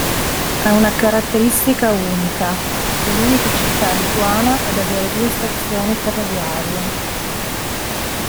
Ha una caratteristica unica: è l'unica città lituana ad avere due stazioni ferroviarie.